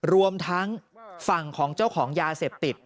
รวมทั้งฝั่งของเจ้าของยาเสพติด